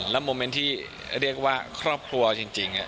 โมเมนต์ที่เรียกว่าครอบครัวจริง